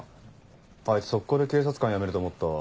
あいつ即行で警察官辞めると思ったわ。